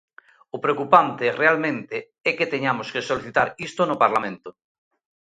O preocupante, realmente, é que teñamos que solicitar isto no Parlamento.